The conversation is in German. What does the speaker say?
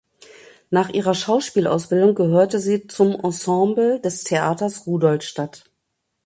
Nach ihrer Schauspielausbildung gehörte sie zum Ensemble des Theaters Rudolstadt.